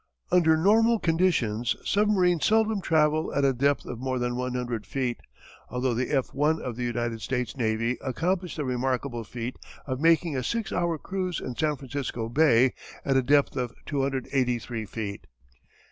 Under normal conditions submarines seldom travel at a depth of more than 100 feet although the "F 1" of the United States Navy accomplished the remarkable feat of making a six hour cruise in San Francisco Bay at a depth of 283 feet.